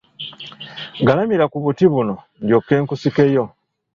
Galamira ku buti buno ndyoke nkusikeyo.